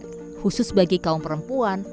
khusus bagi kaum perempuan